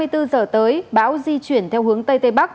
dự báo trong hai mươi bốn giờ tới bão di chuyển theo hướng tây tây bắc